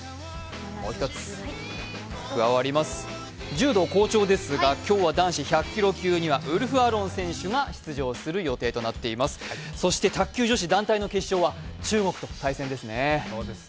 柔道、好調ですが、今日は男子１００キロ級にウルフアロン選手が出場する予定となっています、そして卓球女子団体の決勝は中国と対戦ですね。